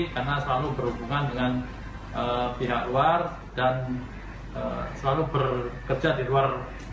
karena selalu berhubungan dengan pihak luar dan selalu bekerja di luar